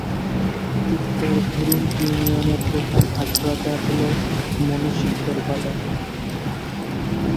উত্তর ধুরুং ইউনিয়নের প্রধান হাট/বাজার হল মনু সিকদার বাজার।